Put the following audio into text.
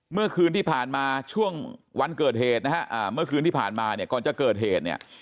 เมื่อคืนที่ผ่านมาช่วงวันเกิดเหตุนะฮะเมื่อคืนที่ผ่านมาเนี่ยก่อนจะเกิดเหตุเนี่ย